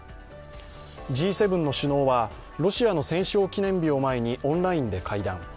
Ｇ７の首脳はロシアの戦勝記念日を前にオンラインで会談。